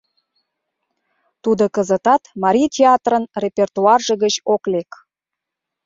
Тудо кызытат Марий театрын репертуарже гыч ок лек.